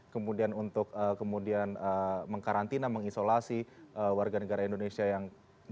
kemudian untuk kemudian mengkarantina mengisolasi warga negara indonesia yang tidak bisa mengisi virus ini